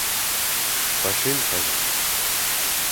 Хашим ҡайҙа?